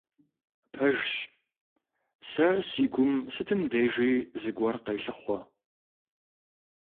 Пэжщ, сэ си гум сытым дежи зыгуэр къелъыхъуэ!